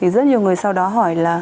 rất nhiều người sau đó hỏi là